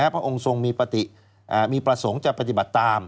พระองค์ทรงมีประสงค์จะปฏิบัติตาม